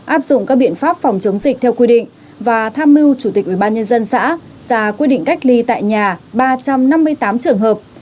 áp dụng các biện pháp phòng chống dịch theo quy định và tham mưu chủ tịch ubnd xã ra quy định cách ly tại nhà ba trăm năm mươi tám trường hợp